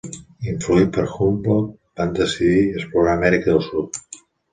Influït per Humboldt va decidir explorar Amèrica del Sud.